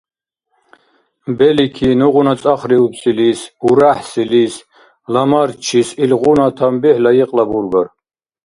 Белики, нугъуна цӀахриубсилис, уряхӀсилис, ламартчис илгъуна танбихӀ лайикьлира бургар?